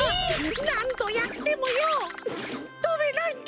なんどやってもよぐっとべないんだ。